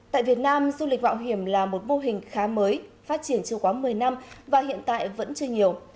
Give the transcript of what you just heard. tại việt nam du lịch mạo hiểm là một mô hình khá mới phát triển chưa quá một mươi năm và hiện tại vẫn chưa nhiều